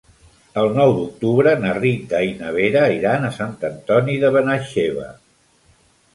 El nou d'octubre na Rita i na Vera iran a Sant Antoni de Benaixeve.